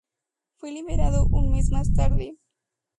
Fue liberado un mes más tarde.